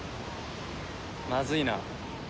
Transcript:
まずいな。